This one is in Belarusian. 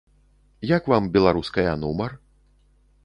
Як вам беларуская нумар?